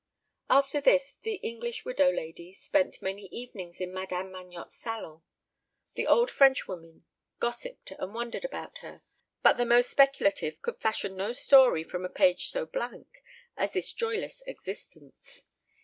After this, the English widow lady spent many evenings in Madame Magnotte's salon. The old Frenchwoman gossipped and wondered about her; but the most speculative could fashion no story from a page so blank as this joyless existence.